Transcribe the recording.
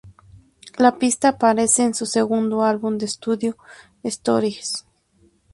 La pista aparece en su segundo álbum de estudio, Stories.